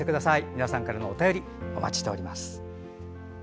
皆さんからのお便りお待ちしています。